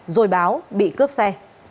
rồi báo bị cướp xe